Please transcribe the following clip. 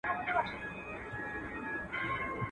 ځینې جګړې نسلونه اغېزمنوي